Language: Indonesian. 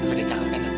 udah cakap sama tante